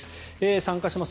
参加します